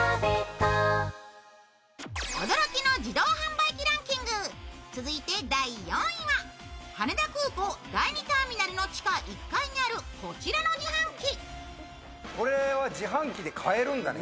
光のキッチンザ・クラッソ続いて第４位は羽田空港・第２ターミナルの地下１階にあるこちらの自販機。